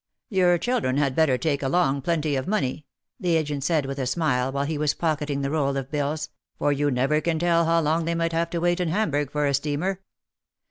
"Your children had better take along plenty of money," the agent said with a smile, while he was pocketing the roll of bills, "for you never can tell how long they might have to wait in Hamburg for a steamer."